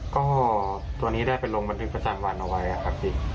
ก็ตัวนี้ออกไปลงบันทึกประจำวันไว้อะครับที่